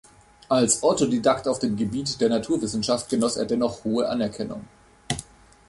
Als Autodidakt auf dem Gebiet der Naturwissenschaft genoss er dennoch hohe Anerkennung.